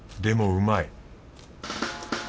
でもうまい。